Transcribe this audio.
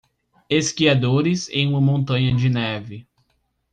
Esquiadores em uma montanha de neve.